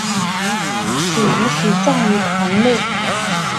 其遗体葬于堂内。